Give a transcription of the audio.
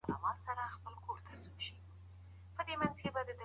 موږ باید د ماشومانو د زده کړي جریان وڅارو.